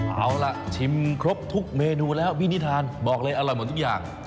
เอาล่ะชิมครบทุกเมนูแล้วพี่นิทานบอกเลยอร่อยหมดทุกอย่าง